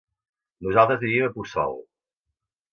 Nosaltres vivim a Puçol.